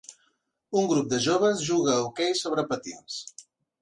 Un grup de joves juga a hoquei sobre patins.